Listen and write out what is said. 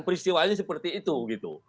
peristiwanya seperti itu gitu